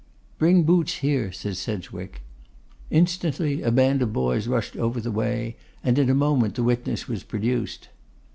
'Bring Boots here,' said Sedgwick. Instantly a band of boys rushed over the way, and in a moment the witness was produced.